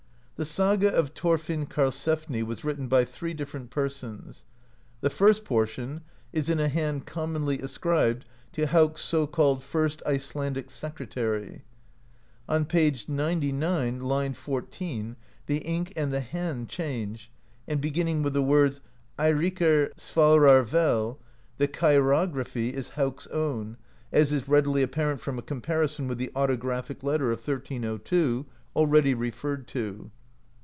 The Saga of Thorfinn Karlsefni was written by three different persons ; the first portion is in a hand commonly ascribed to Hauk's so called "first Icelandic secretary." On p. 99, 1. 14, the ink and the hand change, and begin ning with the words Eirikr svarar vel, the chirography is Hauk's own, as is readily apparent from a comparison with the autographic letter of 1302, already referred to.